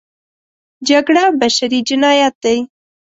جګړه بشري جنایت دی.